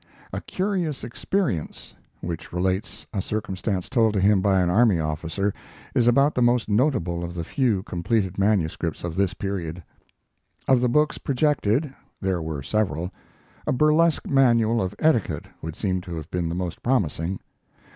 "A Curious Experience," which relates a circumstance told to him by an army officer, is about the most notable of the few completed manuscripts of this period. Of the books projected (there were several), a burlesque manual of etiquette would seem to have been the most promising.